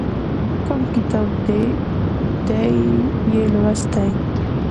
کوم کتاب دې یې لوستی؟